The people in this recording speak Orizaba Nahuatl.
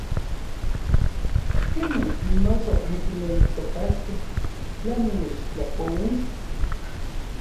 ¿Kenik noso ankineltokaskej tla nimechtlapouis?